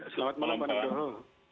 selamat malam pak nugroho